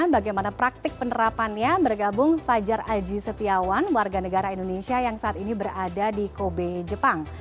bagaimana praktik penerapannya bergabung fajar aji setiawan warga negara indonesia yang saat ini berada di kobe jepang